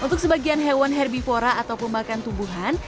untuk sebagian hewan herbivora atau pemakan tumbuhan